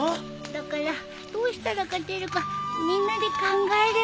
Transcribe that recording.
だからどうしたら勝てるかみんなで考えれば。